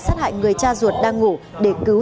sát hại người cha ruột đang ngủ để cứu